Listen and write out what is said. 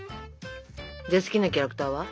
じゃあ好きなキャラクターは？